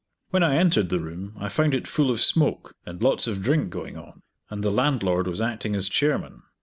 When I entered the room I found it full of smoke, and lots of drink going on; and the landlord was acting as chairman.